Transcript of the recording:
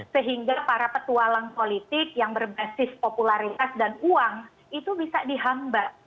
sehingga para petualang politik yang berbasis popularitas dan uang itu bisa dihambat